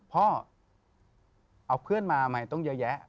พ่อเอาเพื่อนมาใหม่ต้องเยอะแยะ